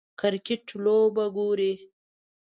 کریکټ لوبه ګورئ